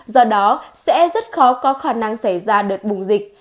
do đó sẽ rất khó có khả năng xảy ra đợt bùng dịch